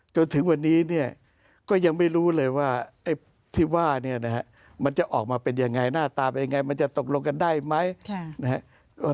จนถึงวันนี้เนี่ยก็ยังไม่รู้เลยว่าไอ้ที่ว่าเนี่ยนะฮะมันจะออกมาเป็นยังไงหน้าตาเป็นยังไงมันจะตกลงกันได้ไหมนะครับ